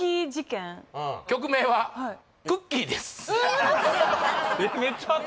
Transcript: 曲名は「クッキー」ですウーソ！？